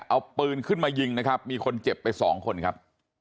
เอาปืนขึ้นมายิงนะครับมีคนเจ็บไปสองคนครับ